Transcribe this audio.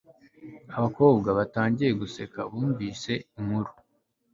Abakobwa batangiye guseka bumvise inkuru